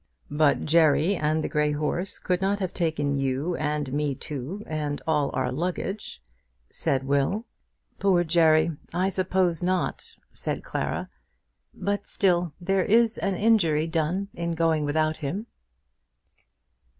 "But Jerry and the grey horse could not have taken you and me too, and all our luggage," said Will. "Poor Jerry! I suppose not," said Clara; "but still there is an injury done in going without him."